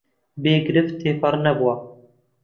بێ گرفت تێپەڕ نەبووە